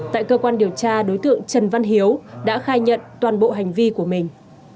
tại cơ quan điều tra đối tượng trần văn hiếu đã khai nhận toàn bộ hành vi của mình